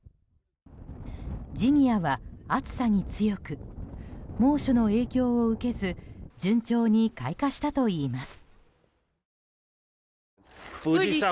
ジニアは暑さに強く猛暑の影響を受けず順調に開花したといいます。